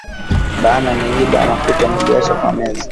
Bana niiba makuta niliacha pa meza